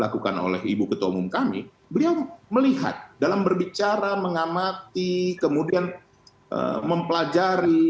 dilakukan oleh ibu ketua umum kami beliau melihat dalam berbicara mengamati kemudian mempelajari